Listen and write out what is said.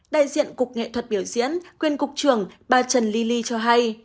đại diện cục nghệ thuật biểu diễn quyền cục trưởng bà trần ly ly cho hay